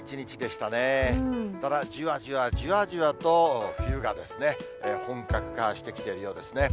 ただじわじわじわじわと、冬が本格化してきてるようですね。